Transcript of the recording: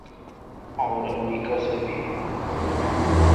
اورامریکہ سے بھی۔